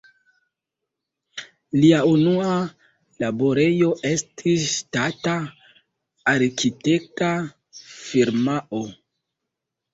Lia unua laborejo estis ŝtata arkitekta firmao.